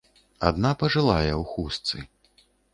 Адна пажылая, у хустцы.